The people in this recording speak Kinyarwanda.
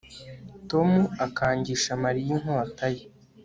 Tom akangisha Mariya inkota ye